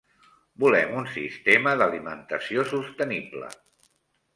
Volem un sistema d'alimentació sostenible.